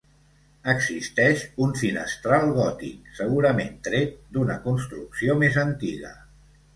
Existeix un finestral gòtic, segurament tret d'una construcció més antiga.